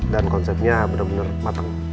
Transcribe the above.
dan konsepnya benar benar matang